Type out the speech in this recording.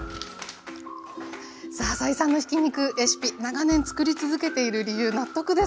さあ斉さんのひき肉レシピ長年つくり続けている理由納得です。